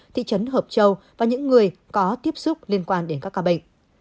thị trấn hợp châu và những người có tiếp xúc liên quan đến các ca bệnh